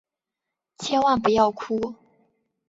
千万不要哭！